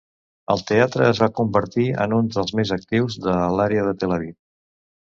El teatre es va convertir en un dels més actius de l'àrea de Tel Aviv.